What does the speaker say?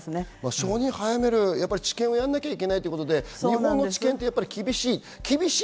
承認を早める、治験をやらなきゃいけないということで、日本の治験で厳しい。